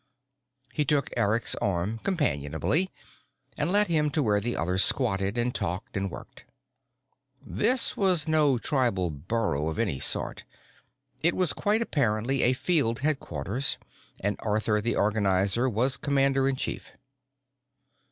He took Eric's arm companionably and led him to where the others squatted and talked and worked. This was no tribal burrow of any sort: it was quite apparently a field headquarters and Arthur the Organizer was Commander in Chief.